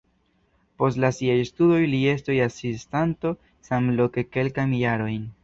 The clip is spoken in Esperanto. Post siaj studoj li estis asistanto samloke kelkajn jarojn.